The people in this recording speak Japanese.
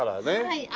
はい。